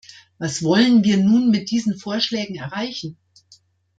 Was wollen wir nun mit diesen Vorschlägen erreichen?